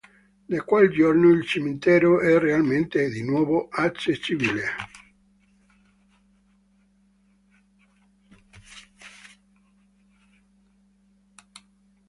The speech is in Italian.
Da quel giorno il cimitero è realmente di nuovo accessibile.